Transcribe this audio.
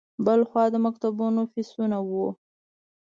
بل خوا د مکتبونو فیسونه وو.